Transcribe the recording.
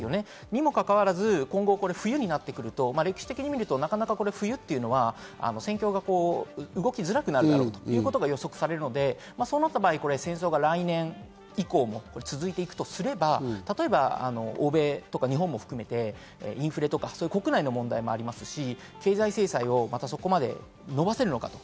にもかかわらず冬になってくると歴史的に見ると冬っていうのは戦況が動きづらくなるだろうということが予測されるので、そうなった場合、戦争が来年以降も続くとすれば例えば欧米とか日本も含めて、インフレとか国内の問題もありますし、経済制裁をそこまで延ばせるのか。